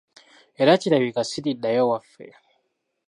Era kirabika siriddayo waffe.